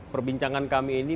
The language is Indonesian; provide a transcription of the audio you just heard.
perbincangan kami ini